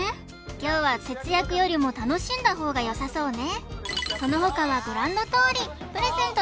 今日は節約よりも楽しんだほうがよさそうね